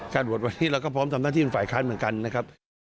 โหวตวันนี้เราก็พร้อมทำหน้าที่เป็นฝ่ายค้านเหมือนกันนะครับ